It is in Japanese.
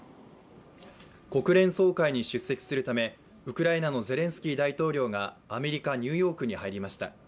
国連総会に出席するためウクライナのゼレンスキー大統領がアメリカ・ニューヨークに入りました。